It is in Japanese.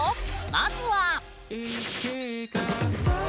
まずは。